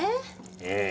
ええ。